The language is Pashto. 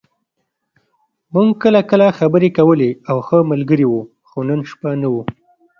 موږ کله کله خبرې کولې او ښه ملګري وو، خو نن شپه نه و.